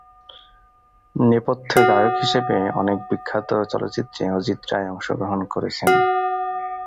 নেপথ্য গায়ক হিসেবে অনেক বিখ্যাত চলচ্চিত্রে অজিত রায় অংশগ্রহণ করেছেন।